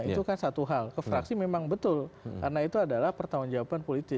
itu kan satu hal ke fraksi memang betul karena itu adalah pertanggung jawaban politis